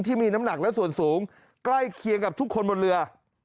ที่มีน้ำหนักและส่วนสูงใกล้เคียงกับทุกคนบนเรือ